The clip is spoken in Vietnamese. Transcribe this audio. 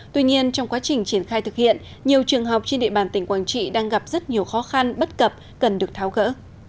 tuy nhiên trong quá trình triển khai thực hiện nhiều trường học trên địa bàn tỉnh quảng trị đang gặp rất nhiều khó khăn bất cập cần được tháo gỡ